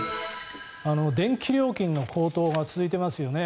電気料金の高騰が続いていますよね。